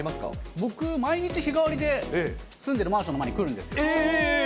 僕、毎日、日替わりで、住んでるマンションの前に来るんですよ。